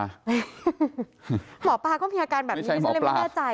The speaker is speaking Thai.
หมอปลาก็มีอาการแบบนี้ฉะนั้นไม่ได้ใจ